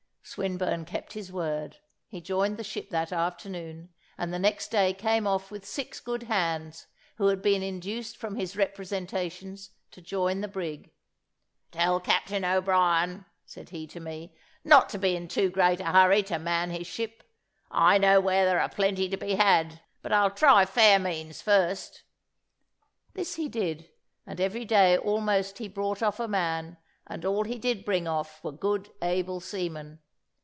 Swinburne kept his word; he joined the ship that afternoon, and the next day came off with six good hands, who had been induced from his representations to join the brig. "Tell Captain O'Brien," said he to me, "not to be in too great a hurry to man his ship. I know where there are plenty to be had; but I'll try fair means first." This he did, and every day almost he brought off a man, and all he did bring off were good able seamen.